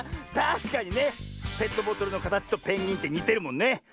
たしかにねペットボトルのかたちとペンギンってにてるもんね。